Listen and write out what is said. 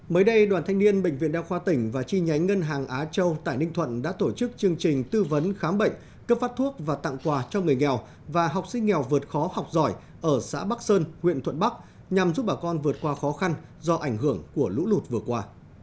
mới đây đoàn thanh niên bệnh viện đa khoa tỉnh và chi nhánh ngân hàng á châu tại ninh thuận đã tổ chức chương trình tư vấn khám bệnh cấp phát thuốc và tặng quà cho người nghèo và học sinh nghèo vượt khó học giỏi ở xã bắc sơn huyện thuận bắc nhằm giúp bà con vượt qua khó khăn do ảnh hưởng của lũ lụt vừa qua